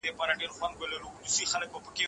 ایا د سړو مشروباتو پر ځای نیمګرمې اوبه غوره دي؟